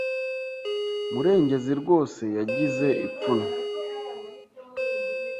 Murengezi rwose yagize ipfunwe.